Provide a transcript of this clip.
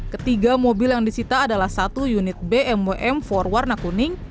ketiga mobil yang disita adalah satu unit bmwm empat warna kuning